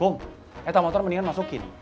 om etak motor mendingan masukin